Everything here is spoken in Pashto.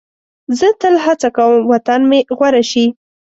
زه تل هڅه کوم وطن مې غوره شي.